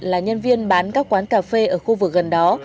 là nhân viên bán các quán cà phê ở khu vực gần đó